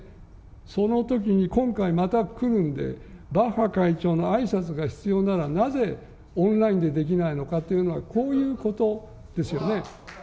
そのときに、今回また来るんで、バッハ会長のあいさつが必要なら、なぜオンラインでできないのかというのは、こういうことですよね。